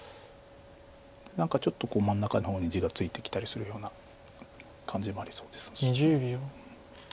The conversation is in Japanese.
何かちょっと真ん中の方に地がついてきたりするような感じもありそうですし。